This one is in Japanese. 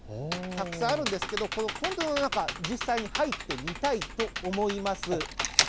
たくさんあるんですけど、このコンテナの中、実際に入ってみたいと思います。